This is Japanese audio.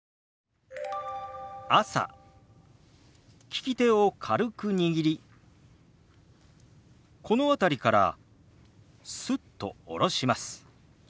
利き手を軽く握りこの辺りからスッと下ろします。